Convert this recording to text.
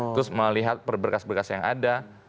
terus melihat berkas berkas yang ada